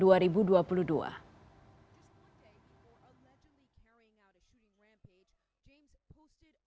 ketiga perjalanan mudik